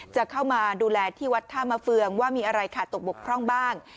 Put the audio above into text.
จะเข้ามาดูแลที่วัดท่ามะเฟืองว่ามีอะไรขาดตกบกพร่องบ้าง